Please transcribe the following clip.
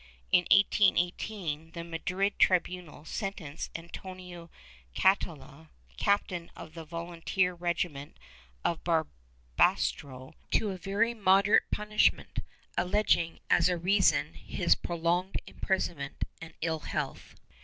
In 1818 the Madrid tribunal sentenced Antonio Catala, captain in the volunteer regiment of Barbastro, to a very moderate punishment, alleging as a reason his prolonged imprisonment and ill health.